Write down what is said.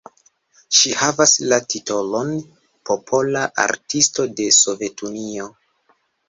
Ŝi havas la titolon "Popola Artisto de Sovetunio".